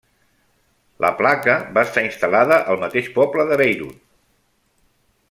La placa va estar instal·lada al mateix poble de Bayreuth.